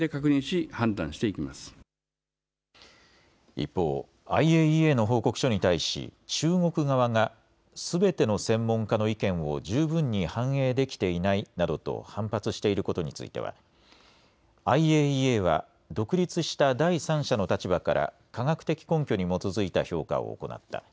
一方、ＩＡＥＡの報告書に対し中国側がすべての専門家の意見を十分に反映できていないなどと反発していることについてはＩＡＥＡは独立した第三者の立場から科学的根拠に基づいた評価を行った。